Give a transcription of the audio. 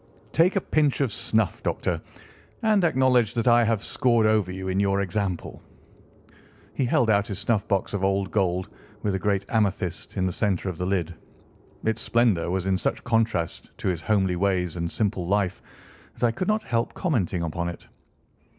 Take a pinch of snuff, Doctor, and acknowledge that I have scored over you in your example." He held out his snuffbox of old gold, with a great amethyst in the centre of the lid. Its splendour was in such contrast to his homely ways and simple life that I could not help commenting upon it.